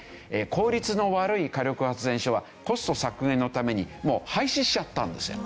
効率の悪い火力発電所はコスト削減のためにもう廃止しちゃったんですよ。